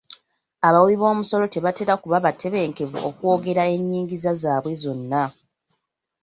Abawi b'omusolo tebatera kuba batebenkevu okwogera ennyingiza zaabwe zonna.